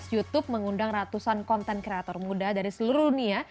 youtube mengundang ratusan konten kreator muda dari seluruh dunia